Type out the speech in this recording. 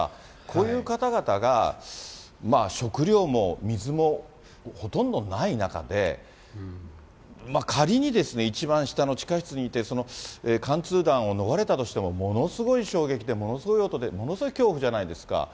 こういう方々が食料も水もほとんどない中で、仮にですね、一番下の地下室にいて、貫通弾を逃れたとしても、衝撃で、ものすごい音で、ものすごい恐怖じゃないですか。